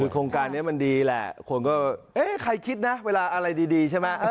โครงการนี้มันดีแหละคนก็เอ๊ะใครคิดนะเวลาอะไรดีใช่ไหม